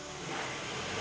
ini baru yang ketek ya